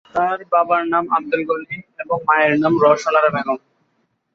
তার বাবার নাম আবদুল গনি এবং মায়ের নাম রওশন আরা বেগম।